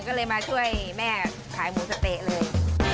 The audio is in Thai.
ก็เลยมาช่วยแม่ขายหมูสะเต๊ะเลย